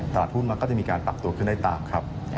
ตลาดหุ้นมันก็จะมีการปรับตัวขึ้นได้ตามครับ